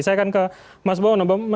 saya akan ke mas bowono